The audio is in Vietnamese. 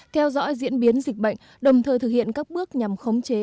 theo dõi diễn biến dịch bệnh đồng thời thực hiện các bước nhằm khống chế